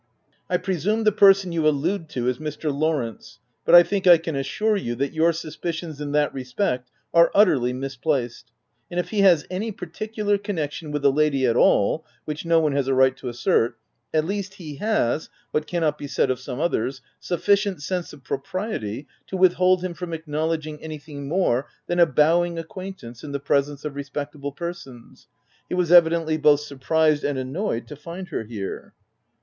I presume the person you allude to is Mr. Lawrence ; but I think I can assure you that your suspicions, in that respect, are utterly misplaced ; and if he has any particular connection with the lady at all, (which no one has a right to assert,) at least, he has (what cannot be said of some others,) sufficient sense of propriety to with hold him from acknowledging anything more than a bowing acquaintance in the presence of respectable persons — he was evidently both surprised and annoyed to find her here."